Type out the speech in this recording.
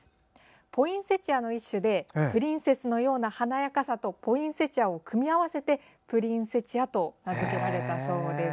ポインセチアの一種でプリンセスのような華やかさとポインセチアを組み合わせてプリンセチアと名付けられたそうです。